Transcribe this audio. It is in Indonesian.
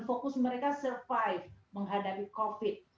fokus mereka survive menghadapi covid